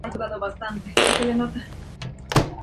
Su estilo característico pasará a la posteridad.